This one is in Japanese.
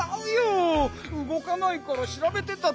うごかないからしらべてただけだよ。